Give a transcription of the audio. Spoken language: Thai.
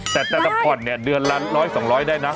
แต่แต่ละผ่อนเนี่ยเดือนละ๑๐๐๒๐๐ได้นะ